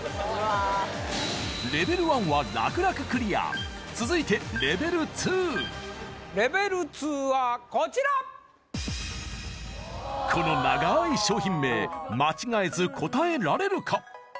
レベル１は楽々クリア続いてレベル２レベル２はこちらこの長い商品名間違えず答えられるか？